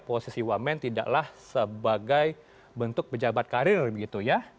posisi wamen tidaklah sebagai bentuk pejabat karir begitu ya